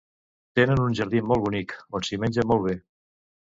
Tenen un jardí molt bonic on s'hi menja molt bé.